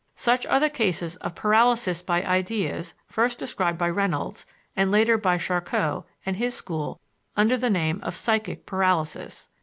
Such are the cases of "paralysis by ideas" first described by Reynolds, and later by Charcot and his school under the name of "psychic paralysis."